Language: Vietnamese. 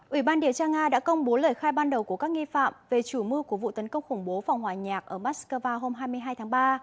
ủy ban điều tra nga đã công bố lời khai ban đầu của các nghi phạm về chủ mưu của vụ tấn công khủng bố phòng hòa nhạc ở moscow hôm hai mươi hai tháng ba